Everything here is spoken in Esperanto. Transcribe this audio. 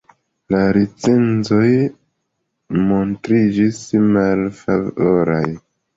La recenzoj montriĝis malfavoraj.